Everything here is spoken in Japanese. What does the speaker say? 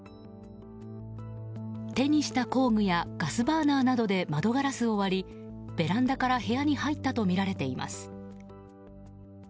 手にした工具やガスバーナーなどで窓ガラスを割りベランダから部屋に入ったとみられています。